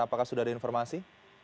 apakah sudah ada informasi